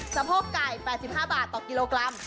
สะโพกไก่๘๕บาทต่อกิโลกรัม